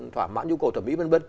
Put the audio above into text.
thỏa mãn nhu cầu thẩm mỹ